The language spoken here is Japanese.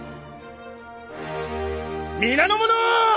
皆の者！